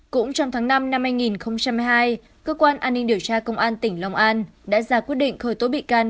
cũng trong tháng năm năm hai nghìn hai mươi hai cơ quan an ninh điều tra công an tỉnh long an đã ra quyết định khởi tố bị can